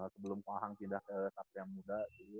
sebelum ko ahang pindah ke tarsem muda dulu